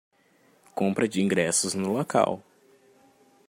Compra de ingressos no local